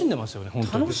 本当に。